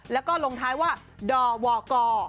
แล้วก็ลงท้ายว่าดวก